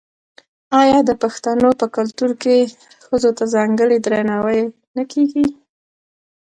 آیا د پښتنو په کلتور کې ښځو ته ځانګړی درناوی نه کیږي؟